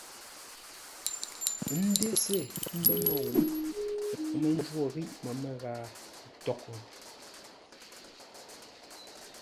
N ndese ə́ mbə́ môu, ə́ mə́ njwô ghíʼ məmə́ ghâa tôghʼ.